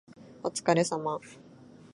お疲れ様